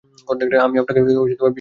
আমি আপনাকে বিশ্বাস করি না।